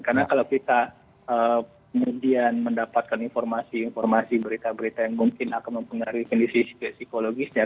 karena kalau kita kemudian mendapatkan informasi informasi berita berita yang mungkin akan mempengaruhi kondisi psikologisnya